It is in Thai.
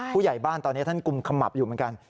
ผู้ใหญ่บ้านตอนนี้ท่านกุมขมับอยู่เหมือนกัน